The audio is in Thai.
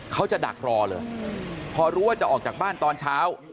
จะดักรอเลยพอรู้ว่าจะออกจากบ้านตอนเช้า